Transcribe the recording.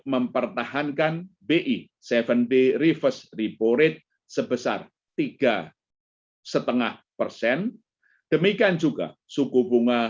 mempertahankan bi tujuh day reverse repo rate sebesar tiga lima persen demikian juga suku bunga